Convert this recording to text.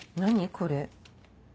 これ。